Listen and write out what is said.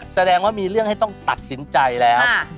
แสดงว่ามีเรื่องให้ต้องตัดสินใจแล้ว